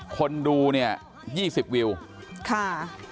คนดูเนี่ย๒๐วิวค่ะ